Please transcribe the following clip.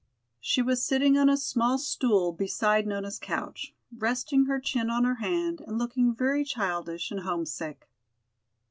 She was sitting on a small stool beside Nona's couch, resting her chin on her hand and looking very childish and homesick.